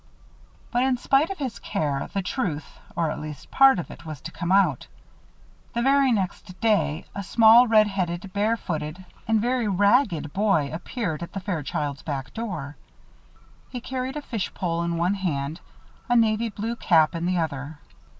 But, in spite of his care, the truth, or at least part of it, was to come out. The very next day, a small red headed, barefooted, and very ragged boy appeared at the Fairchilds' back door. He carried a fish pole in one hand, a navy blue cap in the other.